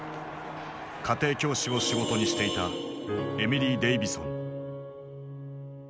家庭教師を仕事にしていたエミリー・デイヴィソン。